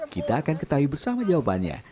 kita akan ketahui bersama jawabannya